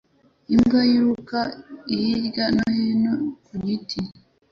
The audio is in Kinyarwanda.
Imbwa yiruka hirya no hino ku giti